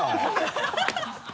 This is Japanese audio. ハハハ